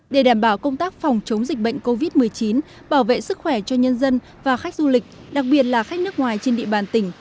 để đảm bảo công tác phòng chống dịch bệnh covid một mươi chín bảo vệ sức khỏe cho nhân dân và khách du lịch đặc biệt là khách nước ngoài trên địa bàn tỉnh